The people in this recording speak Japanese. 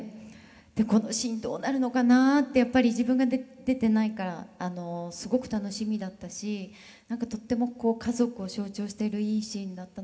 このシーンどうなるのかなってやっぱり自分が出てないからすごく楽しみだったしとっても家族を象徴しているいいシーンだったな。